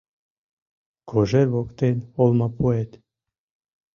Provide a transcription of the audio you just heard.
Кожер воктен олмапуэт.